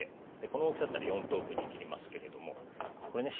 この大きさだったら４等分に切りますけれどもこれね